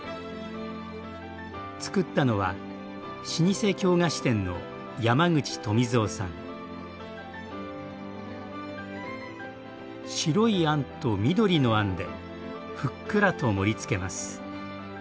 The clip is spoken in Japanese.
つくったのは老舗京菓子店の白いあんと緑のあんでふっくらと盛りつけます。